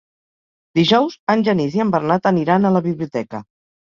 Dijous en Genís i en Bernat aniran a la biblioteca.